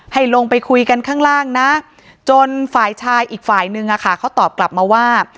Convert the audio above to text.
ให้ลงไปคุยกันข้างล่างนะจนฝ่ายชายอีกฝ่ายนึงเขาตอบกลับมาว่า